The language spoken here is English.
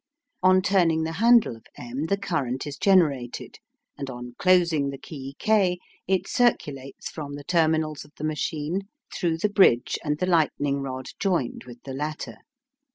On turning the handle of M the current is generated, and on closing the key K it circulates from the terminals of the machine through the bridge and the lightning rod joined with the latter.